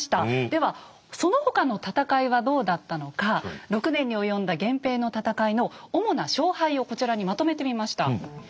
ではその他の戦いはどうだったのか６年に及んだ源平の戦いの主な勝敗をこちらにまとめてみました。